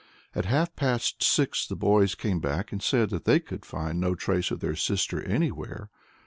At half past six the boys came back and said that they could find no trace of their sister anywhere.